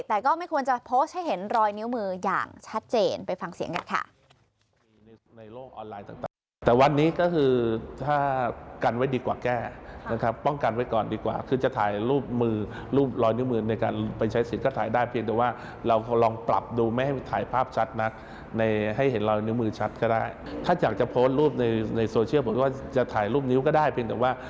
แต่ก็ไม่ควรจะโพสต์ให้เห็นรอยนิ้วมืออย่างชัดเจนไปฟังเสียงกันค่ะ